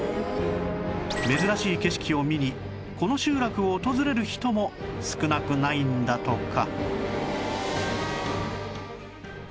珍しい景色を見にこの集落を訪れる人も少なくないんだとか